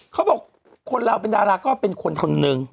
เขาบอกคนเราเป็นดาราก็เป็นคนคนหนึ่ง